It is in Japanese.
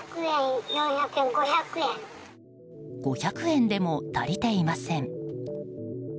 ５００円でも足りていません。